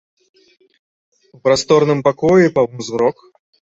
У прасторным пакоі паўзмрок.